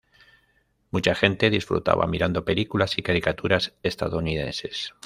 Mucha gente disfrutaba mirando películas y caricaturas estadounidenses.